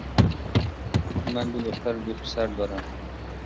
من دو دختر و دو پسر دارم.